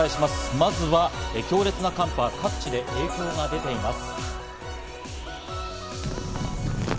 まずは強烈な寒波、各地で影響が出ています。